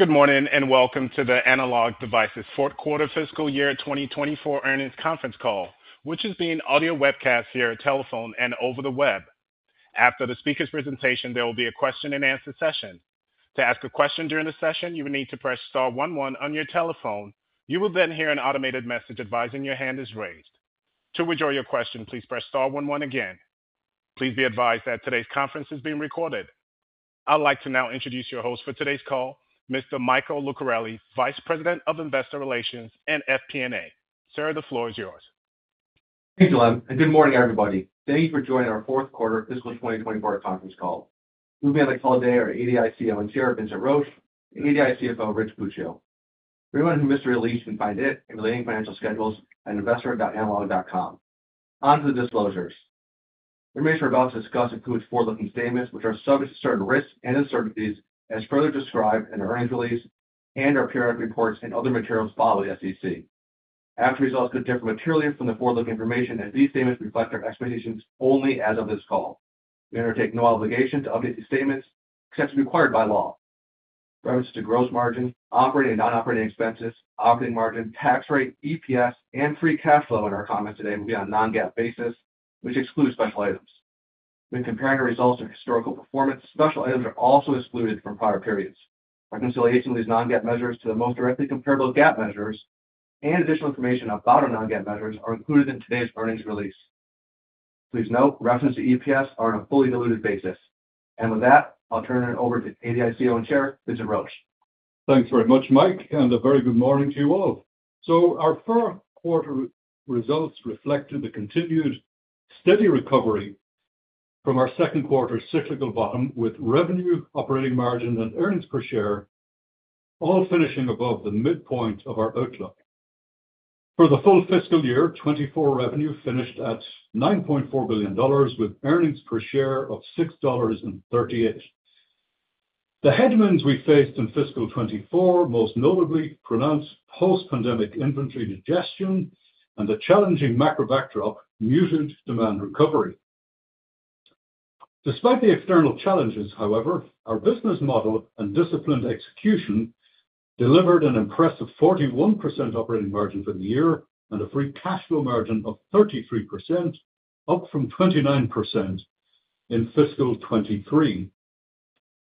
Good morning and welcome to the Analog Devices Fourth Quarter Fiscal Year 2024 Earnings Conference Call, which is being audio webcast via telephone and over the web. After the speaker's presentation, there will be a question and answer session. To ask a question during the session, you will need to press star, one, one on your telephone. You will then hear an automated message advising that your hand is raised. To withdraw your question, please press star, one, one again. Please be advised that today's conference is being recorded. I'd like to now introduce your host for today's call, Mr. Michael Lucarelli, Vice President of Investor Relations and FP&A. Sir, the floor is yours. Thank you, Glenn, and good morning, everybody. Thank you for joining our Fourth Quarter Fiscal 2024 Conference Call. Joining us on the call today are ADI CEO and Chair Vincent Roche, and ADI CFO Rich Puccio. Everyone who missed it can at least find it in the related financial schedules at investor.analog.com. Now to the disclosures. The information we're about to discuss includes forward-looking statements, which are subject to certain risks and uncertainties, as further described in our earnings release and our periodic reports and other materials filed with the SEC. Actual results could differ materially from the forward-looking information. These statements reflect our expectations only as of this call. We undertake no obligation to update these statements except as required by law. References to gross margin, operating and non-operating expenses, operating margin, tax rate, EPS, and free cash flow in our comments today will be on a non-GAAP basis, which excludes special items. When comparing our results to historical performance, special items are also excluded from prior periods. Reconciliation of these non-GAAP measures to the most directly comparable GAAP measures and additional information about our non-GAAP measures are included in today's earnings release. Please note, references to EPS are on a fully diluted basis, and with that, I'll turn it over to ADI's CEO and Chair Vincent Roche. Thanks very much, Mike, and a very good morning to you all. So our fourth quarter results reflected the continued steady recovery from our second quarter cyclical bottom with revenue, operating margin, and earnings per share all finishing above the midpoint of our outlook. For the full fiscal year, 2024 revenue finished at $9.4 billion, with earnings per share of $6.38. The headwinds we faced in fiscal 2024, most notably pronounced post-pandemic inventory digestion and the challenging macro backdrop, muted demand recovery. Despite the external challenges, however, our business model and disciplined execution delivered an impressive 41% operating margin for the year and a free cash flow margin of 33%, up from 29% in fiscal 2023.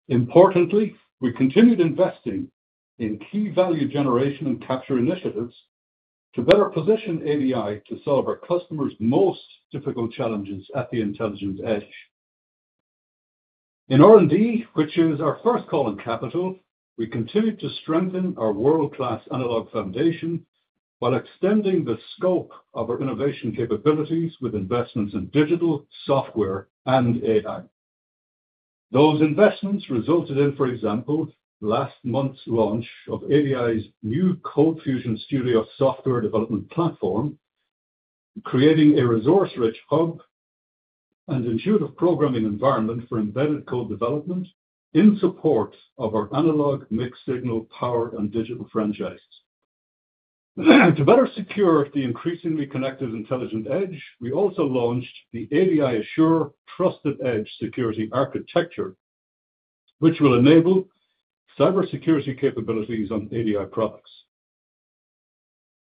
Importantly, we continued investing in key value generation and capture initiatives to better position ADI to solve our customers' most difficult challenges at the Intelligent Edge. In R&D, which is our first call on capital, we continued to strengthen our world-class analog foundation while extending the scope of our innovation capabilities with investments in digital software and AI. Those investments resulted in, for example, last month's launch of ADI's new CodeFusion Studio software development platform, creating a resource-rich hub and intuitive programming environment for embedded code development in support of our analog, mixed-signal, power, and digital franchises. To better secure the increasingly connected intelligent edge, we also launched the ADI Assure Trusted Edge security architecture, which will enable cybersecurity capabilities on ADI products.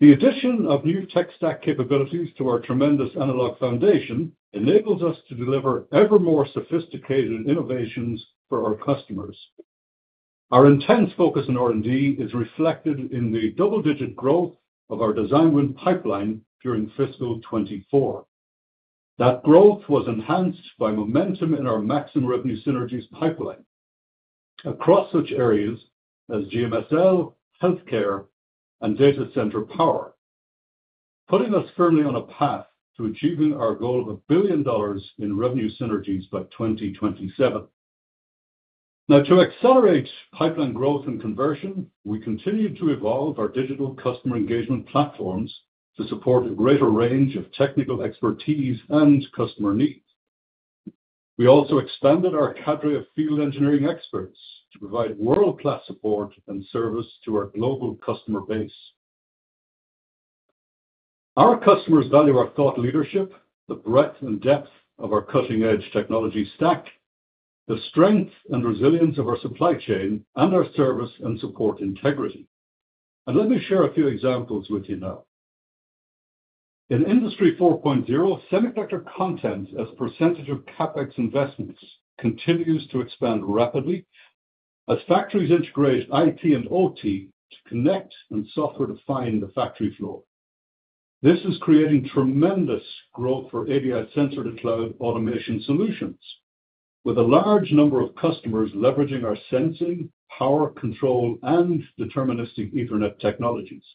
The addition of new tech stack capabilities to our tremendous analog foundation enables us to deliver ever more sophisticated innovations for our customers. Our intense focus in R&D is reflected in the double-digit growth of our design win pipeline during fiscal 2024. That growth was enhanced by momentum in our Maxim revenue synergies pipeline across such areas as GMSL, healthcare, and data center power, putting us firmly on a path to achieving our goal of $1 billion in revenue synergies by 2027. Now, to accelerate pipeline growth and conversion, we continue to evolve our digital customer engagement platforms to support a greater range of technical expertise and customer needs. We also expanded our cadre of field engineering experts to provide world-class support and service to our global customer base. Our customers value our thought leadership, the breadth and depth of our cutting-edge technology stack, the strength and resilience of our supply chain, and our service and support integrity. And let me share a few examples with you now. In Industry 4.0, semiconductor content as a percentage of CapEx investments continues to expand rapidly as factories integrate IT and OT to connect and software-define the factory floor. This is creating tremendous growth for ADI sensor-to-cloud automation solutions, with a large number of customers leveraging our sensing, power control, and Deterministic Ethernet technologies.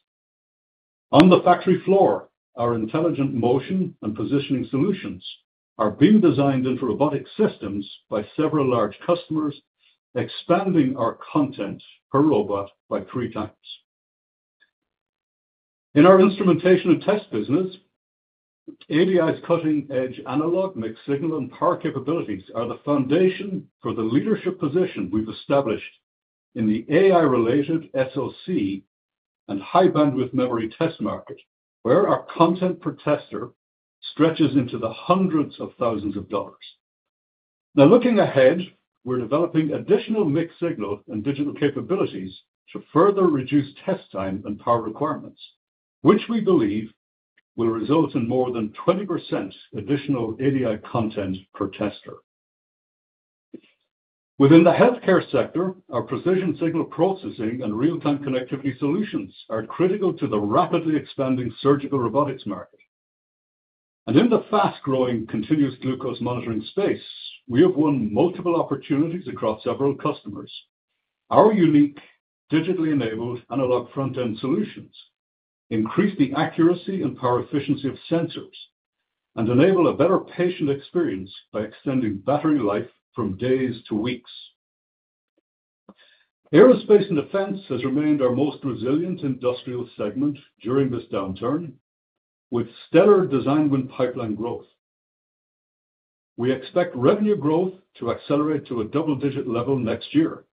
On the factory floor, our intelligent motion and positioning solutions are being designed into robotic systems by several large customers, expanding our content per robot by three times. In our instrumentation and test business, ADI's cutting-edge analog, mixed-signal, and power capabilities are the foundation for the leadership position we've established in the AI-related SOC and high-bandwidth memory test market, where our content per tester stretches into the hundreds of thousands of dollars. Now, looking ahead, we're developing additional mixed-signal and digital capabilities to further reduce test time and power requirements, which we believe will result in more than 20% additional ADI content per tester. Within the healthcare sector, our precision signal processing and real-time connectivity solutions are critical to the rapidly expanding surgical robotics market, and in the fast-growing continuous glucose monitoring space, we have won multiple opportunities across several customers. Our unique digitally-enabled analog front-end solutions increase the accuracy and power efficiency of sensors and enable a better patient experience by extending battery life from days to weeks. Aerospace and defense has remained our most resilient industrial segment during this downturn, with stellar design win pipeline growth. We expect revenue growth to accelerate to a double-digit level next year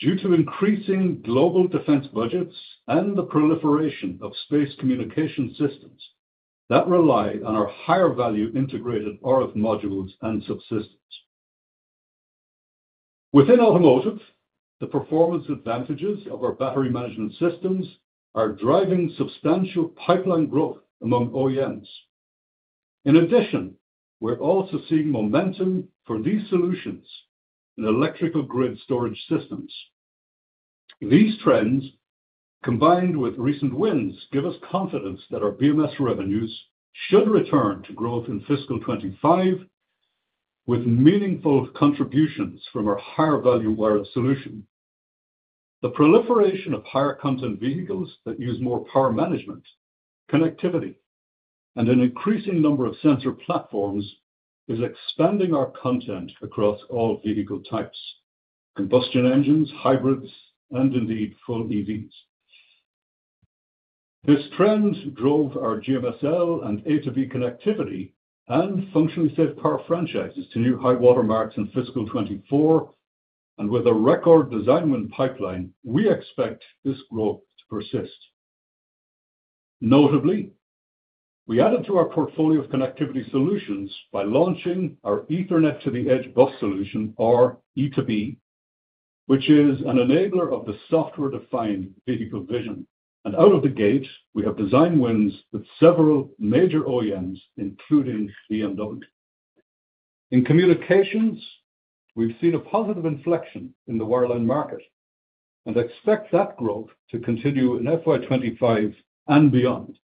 due to increasing global defense budgets and the proliferation of space communication systems that rely on our higher-value integrated RF modules and subsystems. Within automotive, the performance advantages of our battery management systems are driving substantial pipeline growth among OEMs. In addition, we're also seeing momentum for these solutions in electrical grid storage systems. These trends, combined with recent wins, give us confidence that our BMS revenues should return to growth in fiscal 2025 with meaningful contributions from our higher-value wireless solution. The proliferation of higher-content vehicles that use more power management, connectivity, and an increasing number of sensor platforms is expanding our content across all vehicle types: combustion engines, hybrids, and indeed full EVs. This trend drove our GMSL and A2B connectivity and functionally safe power franchises to new high-water marks in fiscal 2024, and with a record design win pipeline, we expect this growth to persist. Notably, we added to our portfolio of connectivity solutions by launching our Ethernet to the Edge Bus solution, or E2B, which is an enabler of the software-defined vehicle vision. Out of the gate, we have design wins with several major OEMs, including BMW. In communications, we've seen a positive inflection in the wireline market and expect that growth to continue in FY 2025 and beyond.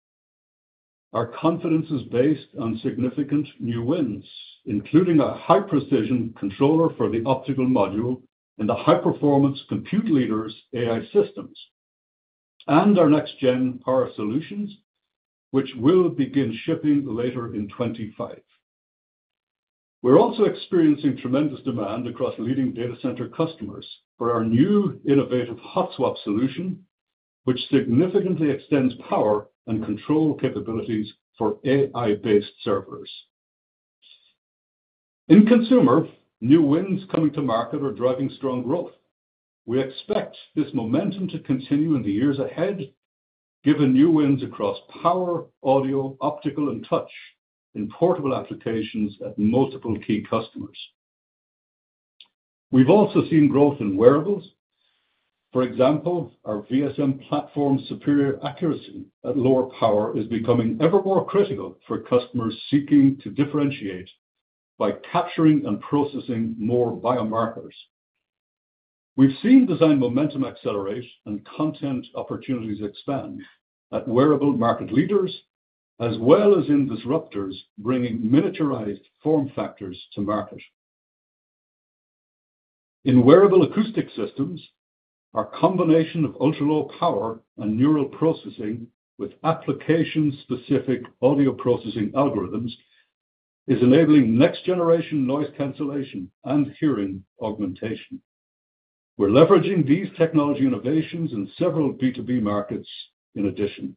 Our confidence is based on significant new wins, including a high-precision controller for the optical module and the high-performance compute leaders' AI systems and our next-gen power solutions, which will begin shipping later in 2025. We're also experiencing tremendous demand across leading data center customers for our new innovative hot swap solution, which significantly extends power and control capabilities for AI-based servers. In consumer, new wins coming to market are driving strong growth. We expect this momentum to continue in the years ahead, given new wins across power, audio, optical, and touch in portable applications at multiple key customers. We've also seen growth in wearables. For example, our VSM Platform's superior accuracy at lower power is becoming ever more critical for customers seeking to differentiate by capturing and processing more biomarkers. We've seen design momentum accelerate and content opportunities expand at wearable market leaders, as well as in disruptors bringing miniaturized form factors to market. In wearable acoustic systems, our combination of ultra-low power and neural processing with application-specific audio processing algorithms is enabling next-generation noise cancellation and hearing augmentation. We're leveraging these technology innovations in several B2B markets in addition.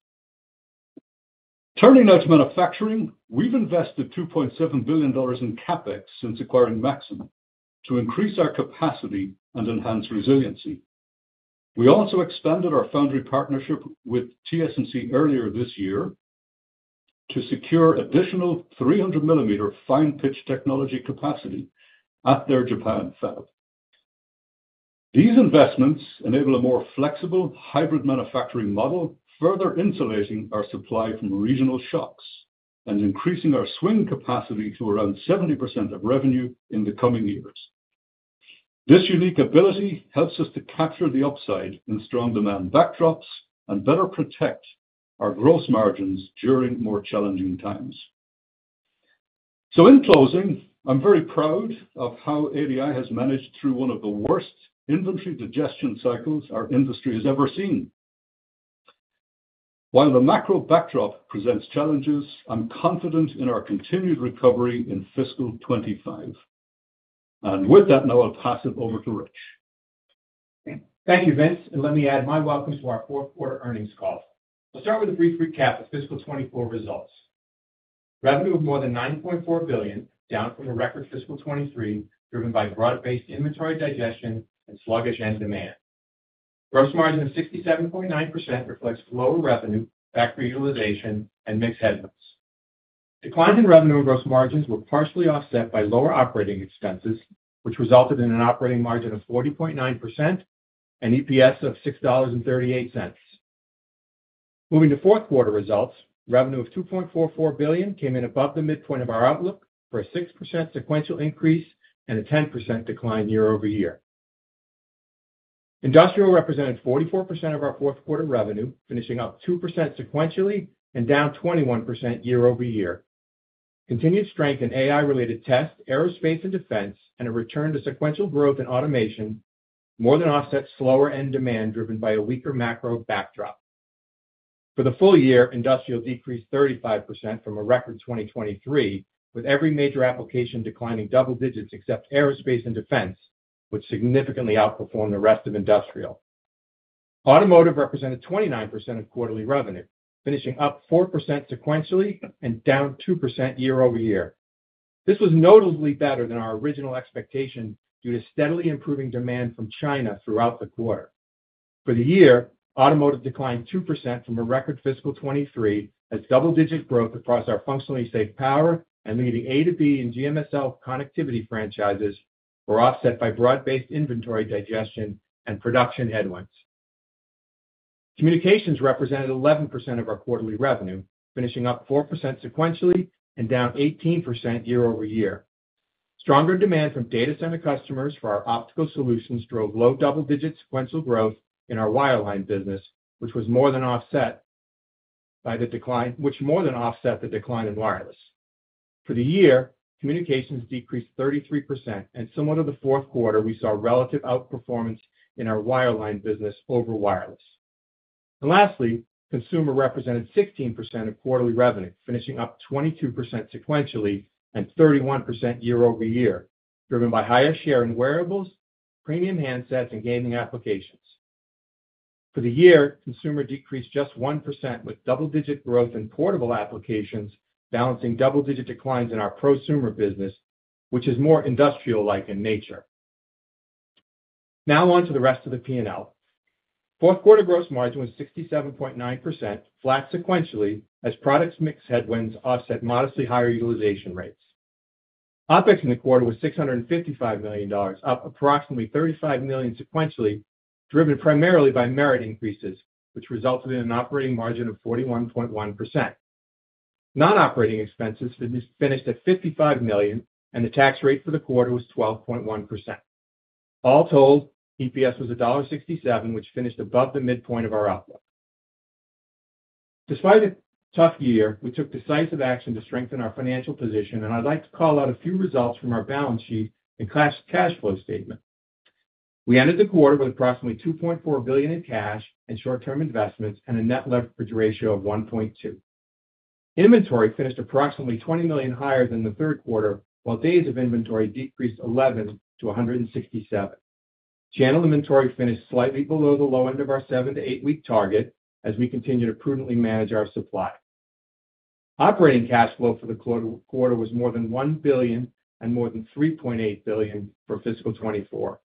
Turning now to manufacturing, we've invested $2.7 billion in CapEx since acquiring Maxim to increase our capacity and enhance resiliency. We also expanded our foundry partnership with TSMC earlier this year to secure additional 300 mm fine-pitch technology capacity at their Japan fab. These investments enable a more flexible hybrid manufacturing model, further insulating our supply from regional shocks and increasing our swing capacity to around 70% of revenue in the coming years. This unique ability helps us to capture the upside in strong demand backlogs and better protect our gross margins during more challenging times. In closing, I'm very proud of how ADI has managed through one of the worst inventory digestion cycles our industry has ever seen. While the macro backdrop presents challenges, I'm confident in our continued recovery in fiscal 2025. With that, now I'll pass it over to Rich. Thank you, Vince. And let me add my welcome to our fourth quarter earnings call. We'll start with a brief recap of fiscal 2024 results. Revenue of more than $9.4 billion, down from a record fiscal 2023, driven by broad-based inventory digestion and sluggish end demand. Gross margin of 67.9% reflects lower revenue, factory utilization, and mixed headwinds. Decline in revenue and gross margins were partially offset by lower operating expenses, which resulted in an operating margin of 40.9% and EPS of $6.38. Moving to fourth quarter results, revenue of $2.44 billion came in above the midpoint of our outlook for a 6% sequential increase and a 10% decline year-over-year. Industrial represented 44% of our fourth quarter revenue, finishing up 2% sequentially and down 21% year-over-year. Continued strength in AI-related tests, aerospace and defense, and a return to sequential growth and automation more than offset slower end-demand driven by a weaker macro backdrop. For the full year, industrial decreased 35% from a record 2023, with every major application declining double digits except aerospace and defense, which significantly outperformed the rest of Industrial. Automotive represented 29% of quarterly revenue, finishing up 4% sequentially and down 2% year-over-year. This was notably better than our original expectation due to steadily improving demand from China throughout the quarter. For the year, automotive declined 2% from a record fiscal 2023 as double-digit growth across our functionally safe power and leading A2B and GMSL connectivity franchises were offset by broad-based inventory digestion and production headwinds. Communications represented 11% of our quarterly revenue, finishing up 4% sequentially and down 18% year-over-year. Stronger demand from data center customers for our optical solutions drove low double-digit sequential growth in our wireline business, which more than offset the decline in wireless. For the year, communications decreased 33%, and similar to the fourth quarter, we saw relative outperformance in our wireline business over wireless. And lastly, consumer represented 16% of quarterly revenue, finishing up 22% sequentially and 31% year-over-year, driven by higher share in wearables, premium handsets, and gaming applications. For the year, consumer decreased just 1% with double-digit growth in portable applications, balancing double-digit declines in our prosumer business, which is more industrial-like in nature. Now on to the rest of the P&L. Fourth quarter gross margin was 67.9%, flat sequentially, as product mix headwinds offset modestly higher utilization rates. OpEx in the quarter was $655 million, up approximately $35 million sequentially, driven primarily by merit increases, which resulted in an operating margin of 41.1%. Non-operating expenses finished at $55 million, and the tax rate for the quarter was 12.1%. All told, EPS was $1.67, which finished above the midpoint of our outlook. Despite a tough year, we took decisive action to strengthen our financial position, and I'd like to call out a few results from our balance sheet and cash flow statement. We ended the quarter with approximately $2.4 billion in cash and short-term investments and a net leverage ratio of 1.2. Inventory finished approximately $20 million higher than the third quarter, while days of inventory decreased 11 to 167. Channel inventory finished slightly below the low end of our seven to eight-week target as we continued to prudently manage our supply. Operating cash flow for the quarter was more than $1 billion and more than $3.8 billion for fiscal 2024.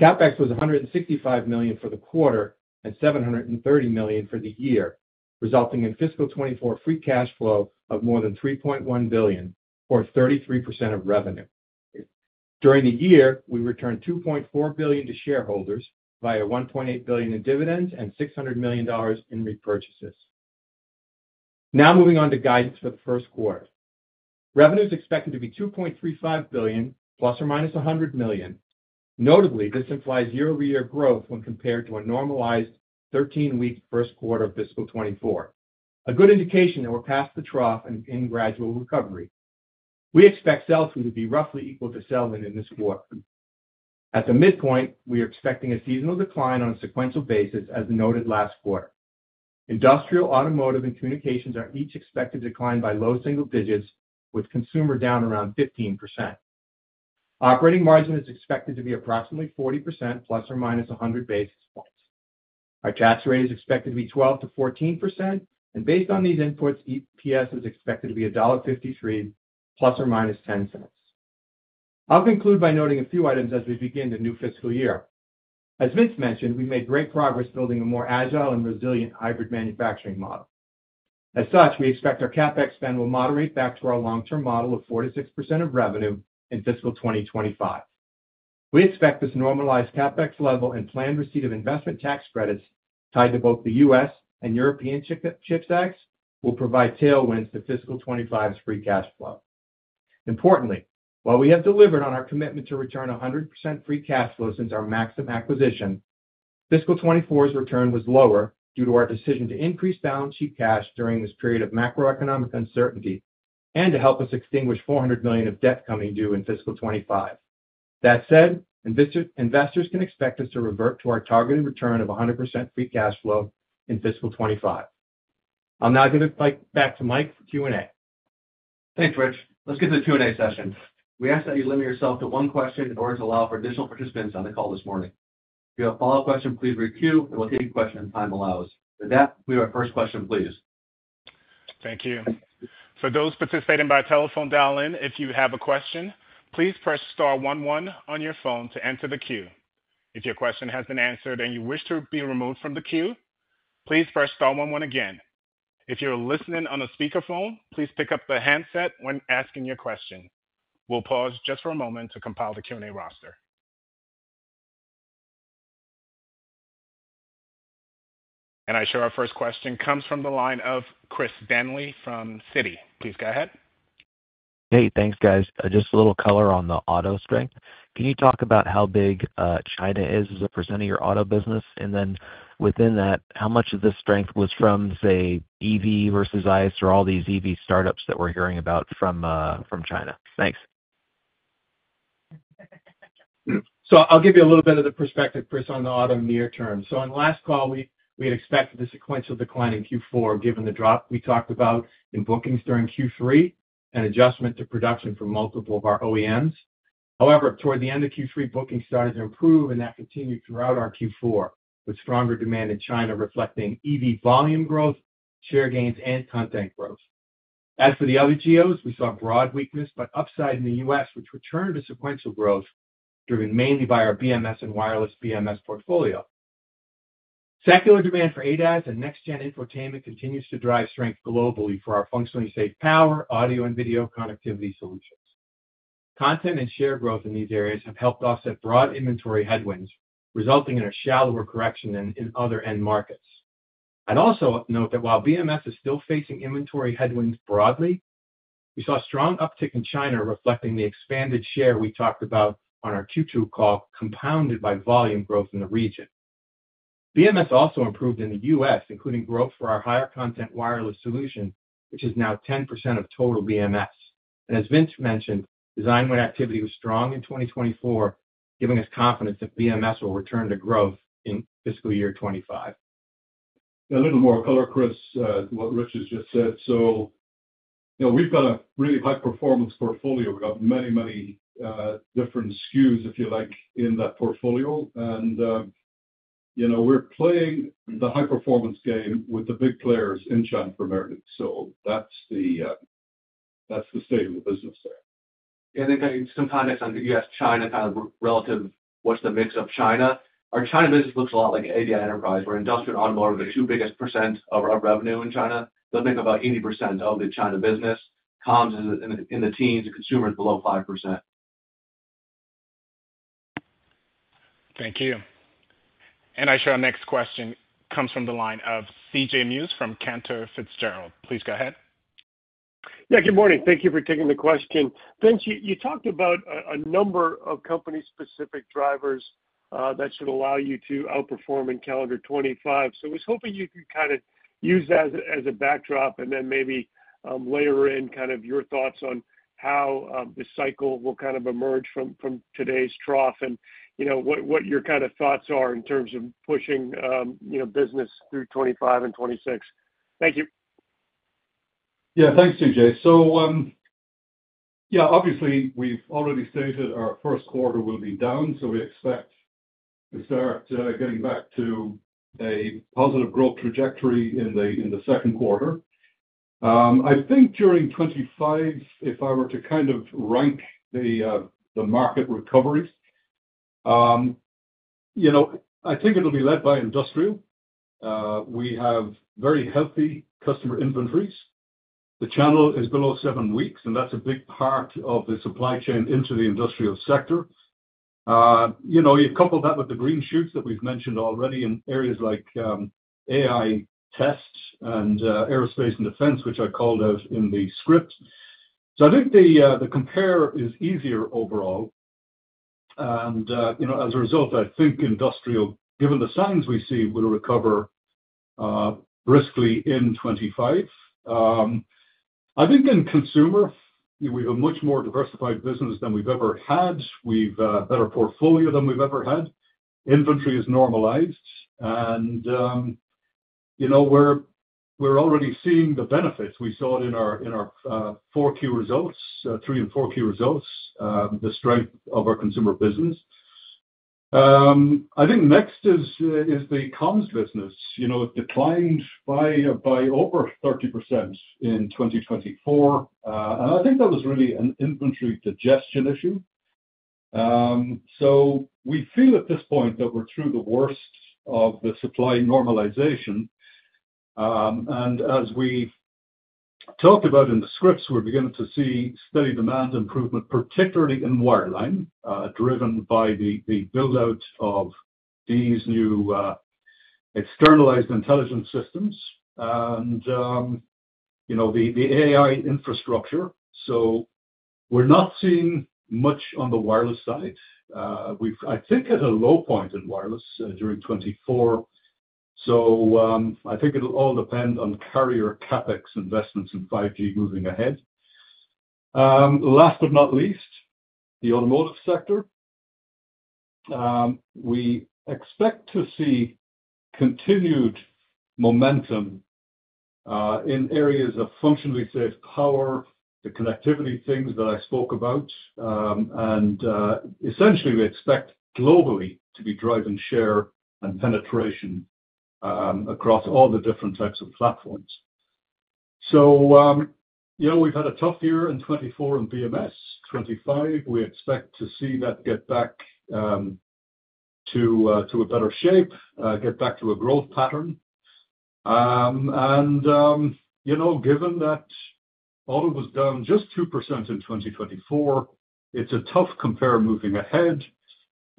CapEx was $165 million for the quarter and $730 million for the year, resulting in fiscal 2024 free cash flow of more than $3.1 billion, or 33% of revenue. During the year, we returned $2.4 billion to shareholders via $1.8 billion in dividends and $600 million in repurchases. Now moving on to guidance for the first quarter. Revenue is expected to be $2.35 billion, ±$100 million. Notably, this implies year-over-year growth when compared to a normalized 13-week first quarter of fiscal 2024, a good indication that we're past the trough and in gradual recovery. We expect sales to be roughly equal to selling in this quarter. At the midpoint, we are expecting a seasonal decline on a sequential basis, as noted last quarter. Industrial, automotive, and communications are each expected to decline by low single digits, with consumer down around 15%. Operating margin is expected to be approximately 40%, ±100 basis points. Our tax rate is expected to be 12%-14%, and based on these inputs, EPS is expected to be $1.53, ±$0.10. I'll conclude by noting a few items as we begin the new fiscal year. As Vince mentioned, we've made great progress building a more agile and resilient hybrid manufacturing model. As such, we expect our CapEx spend will moderate back to our long-term model of 4%-6% of revenue in fiscal 2025. We expect this normalized CapEx level and planned receipt of investment tax credits tied to both the U.S. and European CHIPS Acts will provide tailwinds to fiscal 2025's free cash flow. Importantly, while we have delivered on our commitment to return 100% free cash flow since our Maxim acquisition, fiscal 2024's return was lower due to our decision to increase balance sheet cash during this period of macroeconomic uncertainty and to help us extinguish $400 million of debt coming due in fiscal 2025. That said, investors can expect us to revert to our targeted return of 100% free cash flow in fiscal 2025. I'll now give it back to Mike for Q&A. Thanks, Rich. Let's get to the Q&A session. We ask that you limit yourself to one question in order to allow for additional participants on the call this morning. If you have a follow-up question, please read Q, and we'll take your question if time allows. With that, we have our first question, please. Thank you. For those participating by telephone dial-in, if you have a question, please press star, one, one on your phone to enter the Q. If your question has been answered and you wish to be removed from the Q, please press star, one, one again. If you're listening on a speakerphone, please pick up the handset when asking your question. We'll pause just for a moment to compile the Q&A roster, and I show our first question comes from the line of Chris Danely from Citi. Please go ahead. Hey, thanks, guys. Just a little color on the auto strength. Can you talk about how big China is as a percentage of your auto business? And then within that, how much of this strength was from, say, EV versus ICE or all these EV startups that we're hearing about from China? Thanks. So I'll give you a little bit of the perspective, Chris, on the auto near term. So on last call, we had expected the sequential decline in Q4, given the drop we talked about in bookings during Q3 and adjustment to production for multiple of our OEMs. However, toward the end of Q3, bookings started to improve, and that continued throughout our Q4, with stronger demand in China reflecting EV volume growth, share gains, and content growth. As for the other geos, we saw broad weakness but upside in the U.S., which returned to sequential growth, driven mainly by our BMS and wireless BMS portfolio. Secular demand for ADAS and next-gen infotainment continues to drive strength globally for our functionally safe power, audio, and video connectivity solutions. Content and share growth in these areas have helped offset broad inventory headwinds, resulting in a shallower correction in other end markets. I'd also note that while BMS is still facing inventory headwinds broadly, we saw a strong uptick in China, reflecting the expanded share we talked about on our Q2 call, compounded by volume growth in the region. BMS also improved in the U.S., including growth for our higher content wireless solution, which is now 10% of total BMS. And as Vince mentioned, design-win activity was strong in 2024, giving us confidence that BMS will return to growth in fiscal year 2025. A little more color, Chris, to what Rich has just said. So we've got a really high-performance portfolio. We've got many, many different SKUs, if you like, in that portfolio. And we're playing the high-performance game with the big players in China primarily. So that's the state of the business there. Yeah, I think some comments on the U.S.-China kind of relative what's the mix of China. Our China business looks a lot like ADI Enterprise, where industrial and automotive are the two biggest percent of our revenue in China. They'll make about 80% of the China business. Comms is in the teens, and consumer is below 5%. Thank you. And I show our next question comes from the line of CJ Muse from Cantor Fitzgerald. Please go ahead. Yeah, good morning. Thank you for taking the question. Vince, you talked about a number of company-specific drivers that should allow you to outperform in calendar 2025. So I was hoping you could kind of use that as a backdrop and then maybe layer in kind of your thoughts on how this cycle will kind of emerge from today's trough and what your kind of thoughts are in terms of pushing business through 2025 and 2026? Thank you. Yeah, thanks, CJ. So yeah, obviously, we've already stated our first quarter will be down, so we expect to start getting back to a positive growth trajectory in the second quarter. I think during 2025, if I were to kind of rank the market recoveries, I think it'll be led by industrial. We have very healthy customer inventories. The channel is below seven weeks, and that's a big part of the supply chain into the industrial sector. You couple that with the green shoots that we've mentioned already in areas like AI tests and aerospace and defense, which I called out in the script. So I think the compare is easier overall. And as a result, I think industrial, given the signs we see, will recover briskly in 2025. I think in consumer, we have a much more diversified business than we've ever had. We've a better portfolio than we've ever had. Inventory has normalized, and we're already seeing the benefits. We saw it in our Q4 results, Q3 and Q4 results, the strength of our consumer business. I think next is the comms business. It declined by over 30% in 2024, and I think that was really an inventory digestion issue, so we feel at this point that we're through the worst of the supply normalization. And as we talked about in the scripts, we're beginning to see steady demand improvement, particularly in wireline, driven by the buildout of these new externalized intelligence systems and the AI infrastructure, so we're not seeing much on the wireless side. We've, I think, hit a low point in wireless during 2024, so I think it'll all depend on carrier CapEx investments in 5G moving ahead. Last but not least, the automotive sector. We expect to see continued momentum in areas of functionally safe power, the connectivity things that I spoke about, and essentially, we expect globally to be driving share and penetration across all the different types of platforms, so we've had a tough year in 2024 on BMS. 2025, we expect to see that get back to a better shape, get back to a growth pattern, and given that auto was down just 2% in 2024, it's a tough compare moving ahead,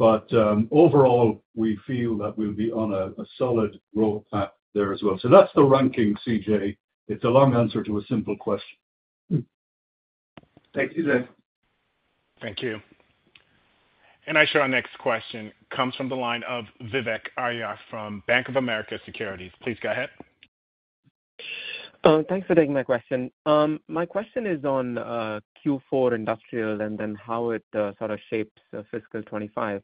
but overall, we feel that we'll be on a solid growth path there as well, so that's the ranking, CJ. It's a long answer to a simple question. Thank you, Dave. Thank you. And our next question comes from the line of Vivek Arya from Bank of America Securities. Please go ahead. Thanks for taking my question. My question is on Q4 industrial and then how it sort of shapes fiscal 2025.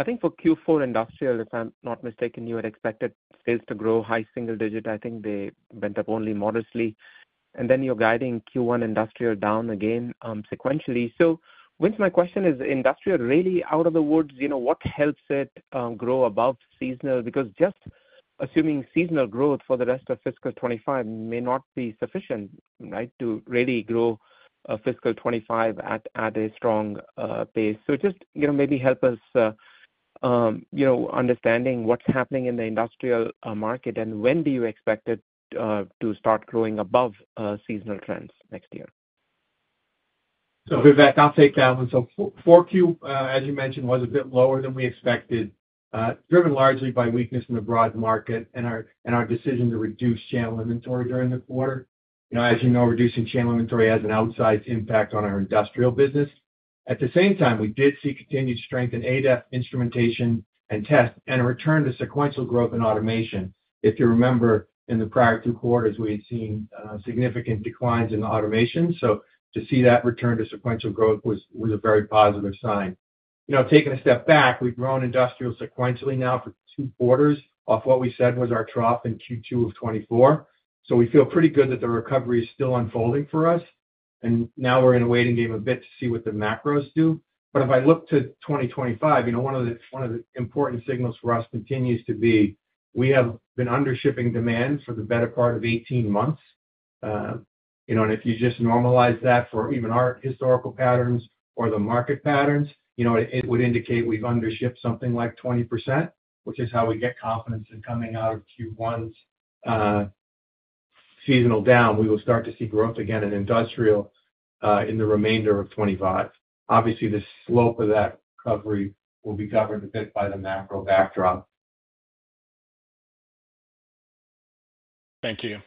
I think for Q4 industrial, if I'm not mistaken, you had expected sales to grow high single digit. I think they went up only modestly. And then you're guiding Q1 industrial down again sequentially. So Vince, my question is, industrial really out of the woods, what helps it grow above seasonal? Because just assuming seasonal growth for the rest of fiscal 2025 may not be sufficient, right, to really grow fiscal 2025 at a strong pace. So just maybe help us understanding what's happening in the industrial market, and when do you expect it to start growing above seasonal trends next year? So Vivek, I'll take that one. Q4, as you mentioned, was a bit lower than we expected, driven largely by weakness in the broad market and our decision to reduce channel inventory during the quarter. As you know, reducing channel inventory has an outsized impact on our industrial business. At the same time, we did see continued strength in ADAS instrumentation and test and a return to sequential growth in automation. If you remember, in the prior two quarters, we had seen significant declines in the automation. So to see that return to sequential growth was a very positive sign. Taking a step back, we've grown industrial sequentially now for two quarters off what we said was our trough in Q2 of 2024. So we feel pretty good that the recovery is still unfolding for us. Now we're in a waiting game a bit to see what the macros do. But if I look to 2025, one of the important signals for us continues to be we have been undershipping demand for the better part of 18 months. And if you just normalize that for even our historical patterns or the market patterns, it would indicate we've undershipped something like 20%, which is how we get confidence in coming out of Q1's seasonal down. We will start to see growth again in industrial in the remainder of 2025. Obviously, the slope of that recovery will be governed a bit by the macro backdrop. Thank you.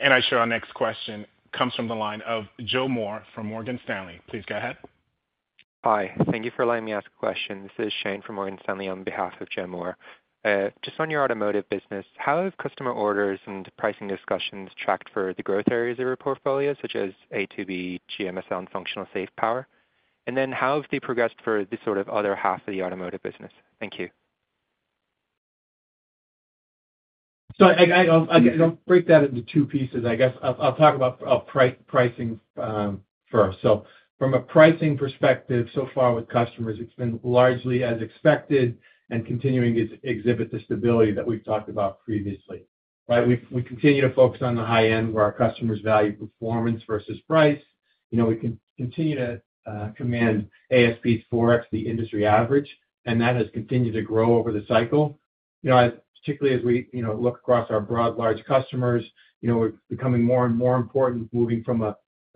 And I show our next question comes from the line of Joe Moore from Morgan Stanley. Please go ahead. Hi. Thank you for letting me ask a question. This is Shane from Morgan Stanley on behalf of Joe Moore. Just on your automotive business, how have customer orders and pricing discussions tracked for the growth areas of your portfolio, such as A2B, GMSL, and functionally safe power? And then how have they progressed for the sort of other half of the automotive business? Thank you. So I'll break that into two pieces. I guess I'll talk about pricing first. So from a pricing perspective, so far with customers, it's been largely as expected and continuing to exhibit the stability that we've talked about previously. We continue to focus on the high end where our customers value performance versus price. We can continue to command ASPs for the industry average, and that has continued to grow over the cycle. Particularly as we look across our broad large customers, we're becoming more and more important moving from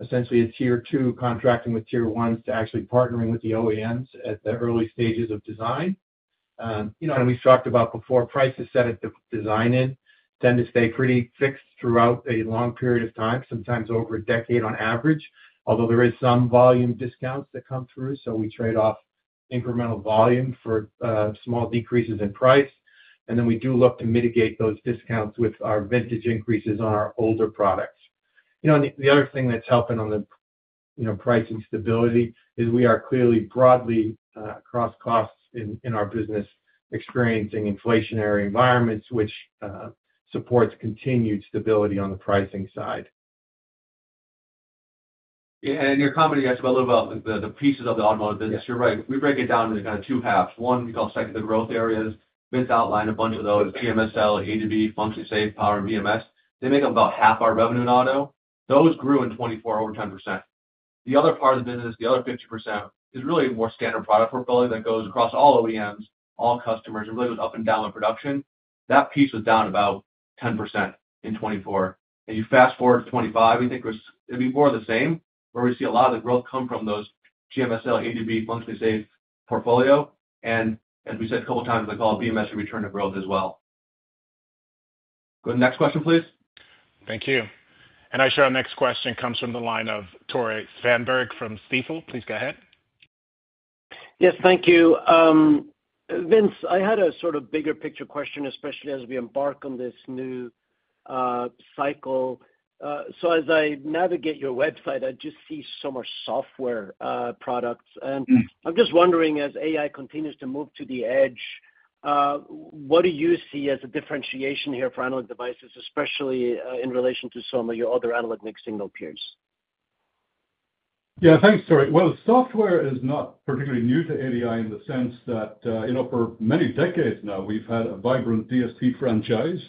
essentially a tier two contracting with tier ones to actually partnering with the OEMs at the early stages of design. And we've talked about before, prices set at the design end tend to stay pretty fixed throughout a long period of time, sometimes over a decade on average, although there are some volume discounts that come through. So we trade off incremental volume for small decreases in price. And then we do look to mitigate those discounts with our vintage increases on our older products. The other thing that's helping on the pricing stability is we are clearly broadly across costs in our business experiencing inflationary environments, which supports continued stability on the pricing side. In your comment, you asked a little about the pieces of the automotive business. You're right. We break it down into kind of two halves. One we call secondary growth areas. Vince outlined a bunch of those: GMSL, A2B, functionally safe power, and BMS. They make up about half our revenue in auto. Those grew in 2024 over 10%. The other part of the business, the other 50%, is really more standard product portfolio that goes across all OEMs, all customers, and really goes up and down with production. That piece was down about 10% in 2024. You fast forward to 2025, I think it'd be more of the same, where we see a lot of the growth come from those GMSL, A2B functionally safe portfolio. As we said a couple of times, we'll call it BMS return to growth as well. Go to the next question, please. Thank you. Our next question comes from the line of Tore Svanberg from Stifel. Please go ahead. Yes, thank you. Vince, I had a sort of bigger picture question, especially as we embark on this new cycle. So as I navigate your website, I just see so much software products. And I'm just wondering, as AI continues to move to the edge, what do you see as a differentiation here for Analog Devices, especially in relation to some of your other analog mixed-signal peers? Yeah, thanks, Tore. Well, software is not particularly new to ADI in the sense that for many decades now, we've had a vibrant DSP franchise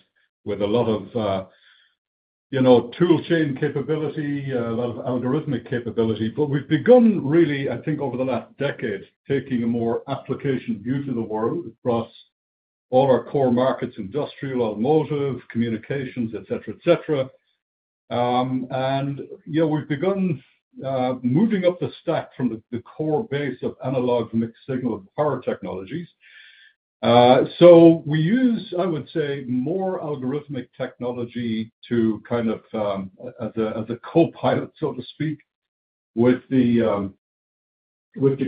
with a lot of toolchain capability, a lot of algorithmic capability. But we've begun really, I think, over the last decade, taking a more application view to the world across all our core markets: industrial, automotive, communications, etc., etc. And we've begun moving up the stack from the core base of analog mixed-signal power technologies. So we use, I would say, more algorithmic technology to kind of as a co-pilot, so to speak, with the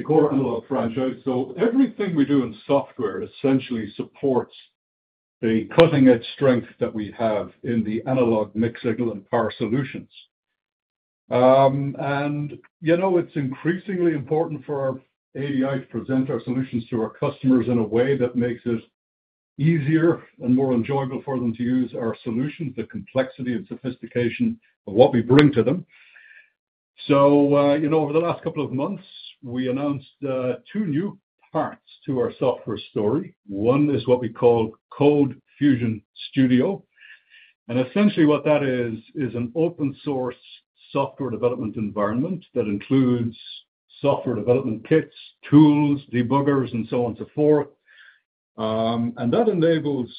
core analog franchise. So everything we do in software essentially supports the cutting-edge strength that we have in the analog mixed-signal and power solutions. It's increasingly important for ADI to present our solutions to our customers in a way that makes it easier and more enjoyable for them to use our solutions, the complexity and sophistication of what we bring to them. Over the last couple of months, we announced two new parts to our software story. One is what we call CodeFusion Studio. Essentially, what that is, is an open-source software development environment that includes software development kits, tools, debuggers, and so on and so forth. That enables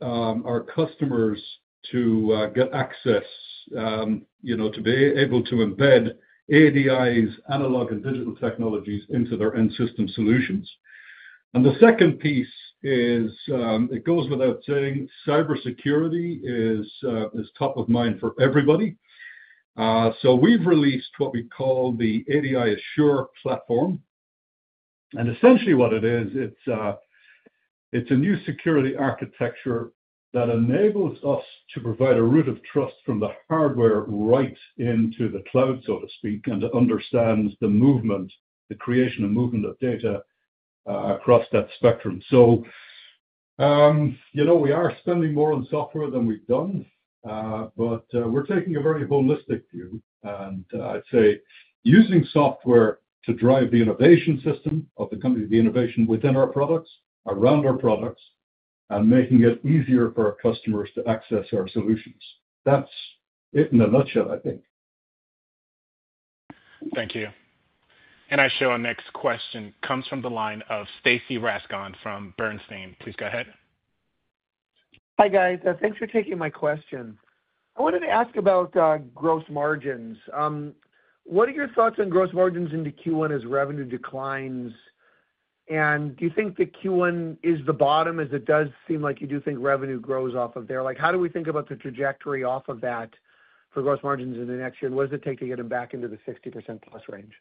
our customers to get access to be able to embed ADI's analog and digital technologies into their end system solutions. The second piece is, it goes without saying, cybersecurity is top of mind for everybody. We've released what we call the ADI Assure platform. Essentially, what it is, it's a new security architecture that enables us to provide a root of trust from the hardware right into the cloud, so to speak, and to understand the movement, the creation of movement of data across that spectrum. We are spending more on software than we've done, but we're taking a very holistic view. I'd say using software to drive the innovation system of the company, the innovation within our products, around our products, and making it easier for our customers to access our solutions. That's it in a nutshell, I think. Thank you. And I show our next question comes from the line of Stacy Rasgon from Bernstein. Please go ahead. Hi guys. Thanks for taking my question. I wanted to ask about gross margins. What are your thoughts on gross margins into Q1 as revenue declines? And do you think the Q1 is the bottom as it does seem like you do think revenue grows off of there? How do we think about the trajectory off of that for gross margins in the next year? And what does it take to get them back into the 60%+ range?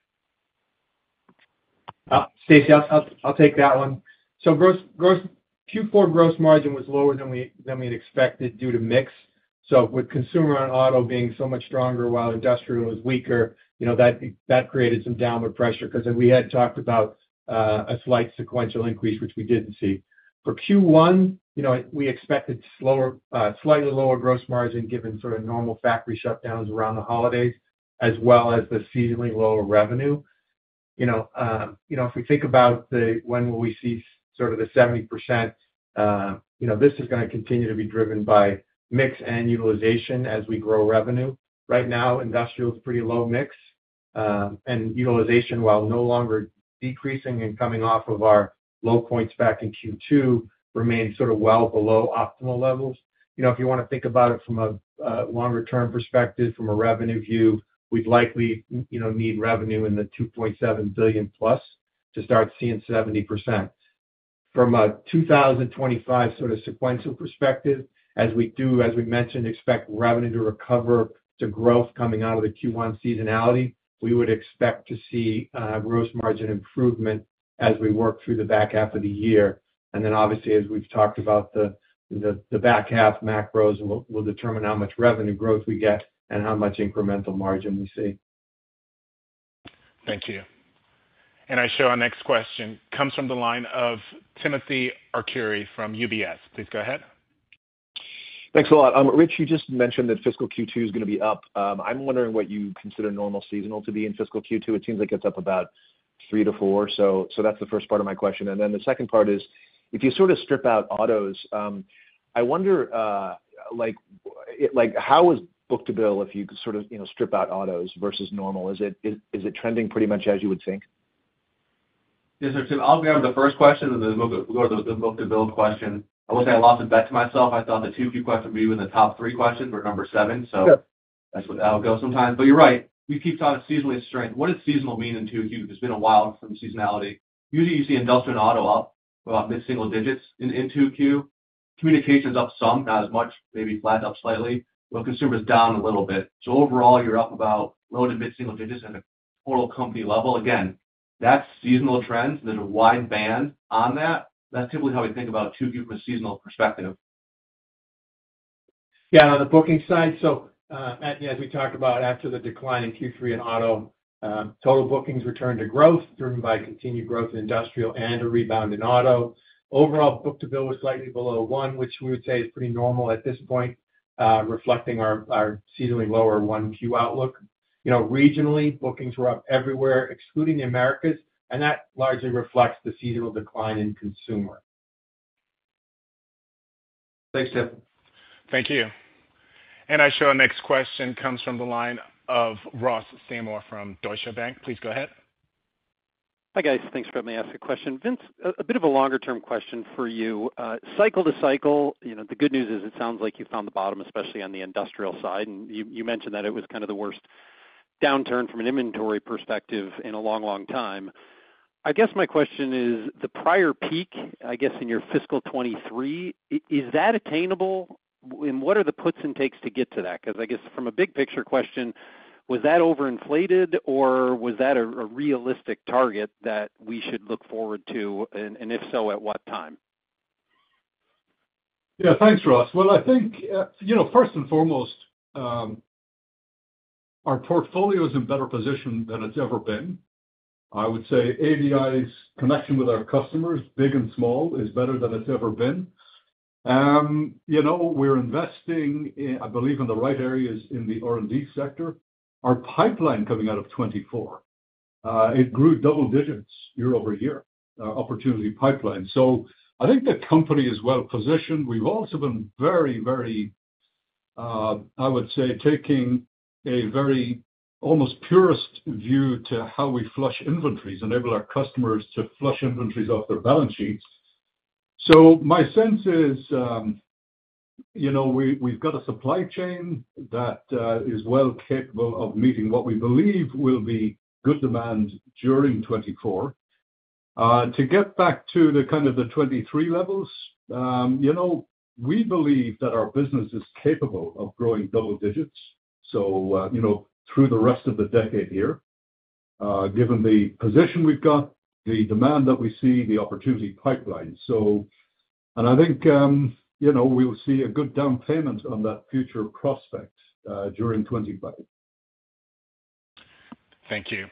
Stacy, I'll take that one. So Q4 gross margin was lower than we'd expected due to mix. So with consumer on auto being so much stronger while industrial was weaker, that created some downward pressure because we had talked about a slight sequential increase, which we didn't see. For Q1, we expected slightly lower gross margin given sort of normal factory shutdowns around the holidays, as well as the seasonally lower revenue. If we think about when will we see sort of the 70%, this is going to continue to be driven by mix and utilization as we grow revenue. Right now, industrial is pretty low mix. And utilization, while no longer decreasing and coming off of our low points back in Q2, remains sort of well below optimal levels. If you want to think about it from a longer-term perspective, from a revenue view, we'd likely need revenue in the $2.7 billion+ to start seeing 70%. From a 2025 sort of sequential perspective, as we mentioned, expect revenue to recover to growth coming out of the Q1 seasonality. We would expect to see gross margin improvement as we work through the back half of the year, and then obviously, as we've talked about, the back half macros will determine how much revenue growth we get and how much incremental margin we see. Thank you. And our next question comes from the line of Timothy Arcuri from UBS. Please go ahead. Thanks a lot. Rich, you just mentioned that fiscal Q2 is going to be up. I'm wondering what you consider normal seasonal to be in fiscal Q2. It seems like it's up about three to four. So that's the first part of my question. And then the second part is, if you sort of strip out autos, I wonder how is book to bill if you sort of strip out autos versus normal? Is it trending pretty much as you would think? I'll grab the first question and then go to the book to bill question. I will say I lost a bet to myself. I thought the two Q questions would be even the top three questions or number seven. So that's where that'll go sometimes. But you're right. We keep talking about seasonal strength. What does seasonal mean in 2Q? It's been a while from seasonality. Usually, you see industrial and auto up about mid-single digits in 2Q. Communications up some, not as much, maybe flat up slightly, but consumers down a little bit. So overall, you're up about low to mid-single digits at a total company level. Again, that's seasonal trends. There's a wide band on that. That's typically how we think about 2Q from a seasonal perspective. Yeah, on the booking side, so as we talked about after the decline in Q3 in auto, total bookings returned to growth driven by continued growth in industrial and a rebound in auto. Overall, book to bill was slightly below one, which we would say is pretty normal at this point, reflecting our seasonally lower 1Q outlook. Regionally, bookings were up everywhere, excluding the Americas, and that largely reflects the seasonal decline in consumer. Thanks, Tim. Thank you. And I show our next question comes from the line of Ross Seymore from Deutsche Bank. Please go ahead. Hi guys. Thanks for letting me ask a question. Vince, a bit of a longer-term question for you. Cycle to cycle, the good news is it sounds like you found the bottom, especially on the industrial side. And you mentioned that it was kind of the worst downturn from an inventory perspective in a long, long time. I guess my question is, the prior peak, I guess, in your fiscal 2023, is that attainable? And what are the puts and takes to get to that? Because I guess from a big picture question, was that overinflated or was that a realistic target that we should look forward to? And if so, at what time? Yeah, thanks, Ross. Well, I think first and foremost, our portfolio is in better position than it's ever been. I would say ADI's connection with our customers, big and small, is better than it's ever been. We're investing, I believe, in the right areas in the R&D sector. Our pipeline coming out of 2024, it grew double digits year-over-year, our opportunity pipeline. So I think the company is well positioned. We've also been very, very, I would say, taking a very almost purist view to how we flush inventories and enable our customers to flush inventories off their balance sheets. So my sense is we've got a supply chain that is well capable of meeting what we believe will be good demand during 2024. To get back to the kind of the 2023 levels, we believe that our business is capable of growing double digits through the rest of the decade here, given the position we've got, the demand that we see, the opportunity pipeline, and I think we will see a good down payment on that future prospect during 2025. Thank you.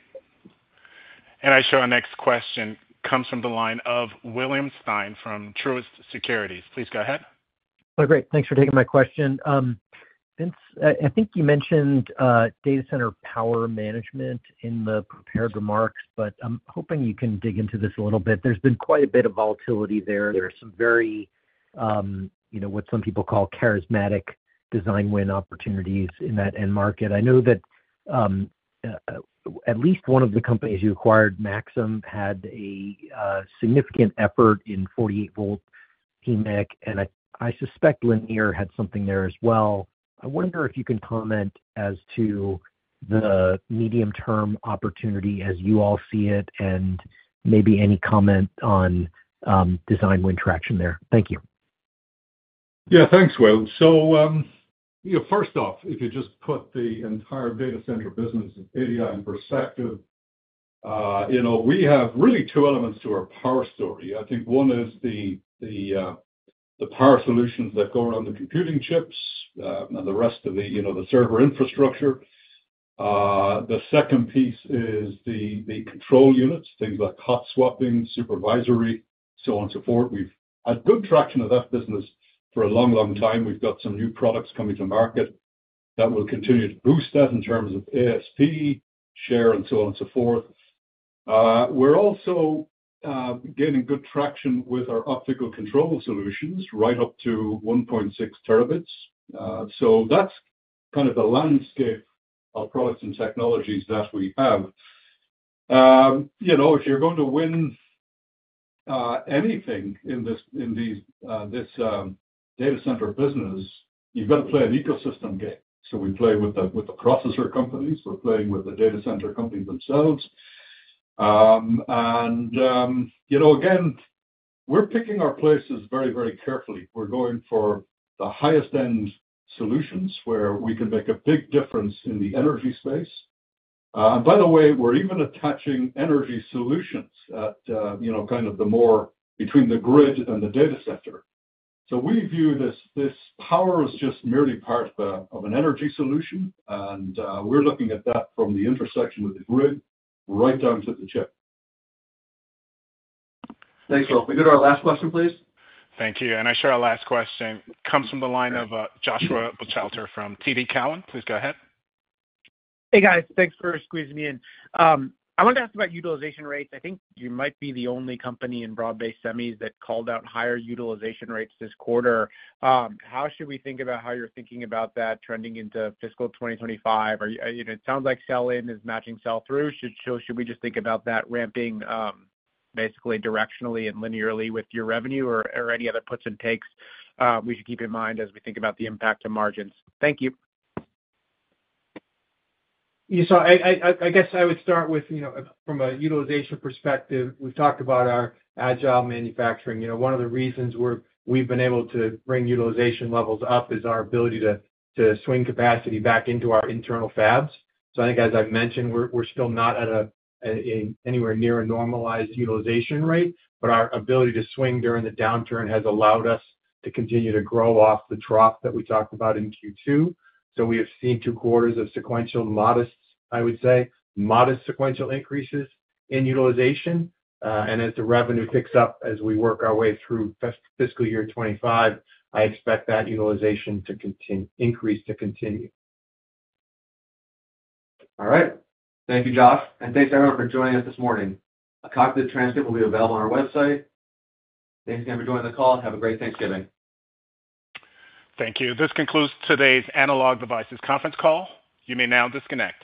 And our next question comes from the line of William Stein from Truist Securities. Please go ahead. Oh, great. Thanks for taking my question. Vince, I think you mentioned data center power management in the prepared remarks, but I'm hoping you can dig into this a little bit. There's been quite a bit of volatility there. There are some very what some people call charismatic design win opportunities in that end market. I know that at least one of the companies you acquired, Maxim, had a significant effort in 48V PMEC. And I suspect Linear had something there as well. I wonder if you can comment as to the medium-term opportunity as you all see it and maybe any comment on design win traction there. Thank you. Yeah, thanks, Will. So first off, if you just put the entire data center business, ADI in perspective, we have really two elements to our power story. I think one is the power solutions that go around the computing chips and the rest of the server infrastructure. The second piece is the control units, things like hot swapping, supervisory, so on and so forth. We've had good traction of that business for a long, long time. We've got some new products coming to market that will continue to boost that in terms of ASP, share, and so on and so forth. We're also gaining good traction with our optical control solutions right up to 1.6 Tb. So that's kind of the landscape of products and technologies that we have. If you're going to win anything in this data center business, you've got to play an ecosystem game. So we play with the processor companies. We're playing with the data center companies themselves. And again, we're picking our places very, very carefully. We're going for the highest-end solutions where we can make a big difference in the energy space. And by the way, we're even attaching energy solutions at kind of the more between the grid and the data center. So we view this power as just merely part of an energy solution. And we're looking at that from the intersection of the grid right down to the chip. Thanks, Will. We'll go to our last question, please. Thank you. And our last question comes from the line of Joshua Buchalter from TD Cowen. Please go ahead. Hey, guys. Thanks for squeezing me in. I wanted to ask about utilization rates. I think you might be the only company in broad-based semis that called out higher utilization rates this quarter. How should we think about how you're thinking about that trending into fiscal 2025? It sounds like sell-in is matching sell-through. Should we just think about that ramping basically directionally and linearly with your revenue or any other puts and takes we should keep in mind as we think about the impact to margins? Thank you. So I guess I would start with from a utilization perspective. We've talked about our agile manufacturing. One of the reasons we've been able to bring utilization levels up is our ability to swing capacity back into our internal fabs. So I think, as I mentioned, we're still not anywhere near a normalized utilization rate, but our ability to swing during the downturn has allowed us to continue to grow off the trough that we talked about in Q2. So we have seen two quarters of sequential modest, I would say, modest sequential increases in utilization. And as the revenue picks up as we work our way through fiscal year 2025, I expect that utilization increase to continue. All right. Thank you, Josh. And thanks, everyone, for joining us this morning. A copy of the transcript will be available on our website. Thanks again for joining the call. Have a great Thanksgiving. Thank you. This concludes today's Analog Devices Conference Call. You may now disconnect.